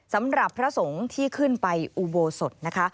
สำหรับพระสงฆ์ที่ขึ้นไปอุโบสถนะคะ